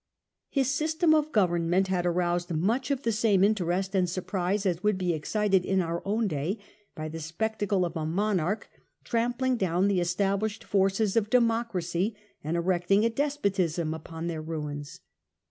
His system of government had aroused much the same interest and surprise as would be excited in our own day by the spectacle of a monarch trampling down the established forces of democracy and erecting a despotism upon their ruins.